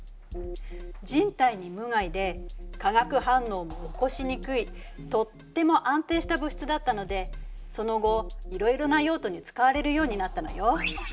人体に無害で化学反応も起こしにくいとっても安定した物質だったのでその後いろいろな用途に使われるようになったのよ。